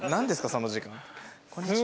その時間。